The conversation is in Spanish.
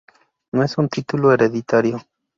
No es un título hereditario.